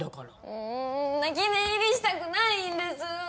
うう泣き寝入りしたくないんです。